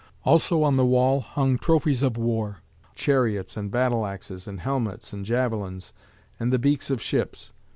Also on the wall hung trophies of war, chariots, and battle axes, and helmets, and javelins, and the beaks of ships.